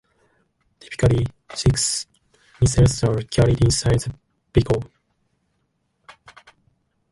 Typically, six missiles are carried inside the vehicle.